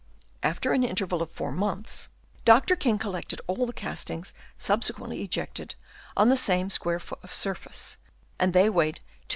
After an interval of four months, Dr. King collected all the castings subsequently ejected on the same square foot of surface, and they weighed 2^oz.